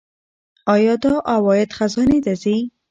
آیا دا عواید خزانې ته ځي؟